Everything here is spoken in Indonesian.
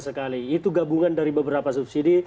sekali itu gabungan dari beberapa subsidi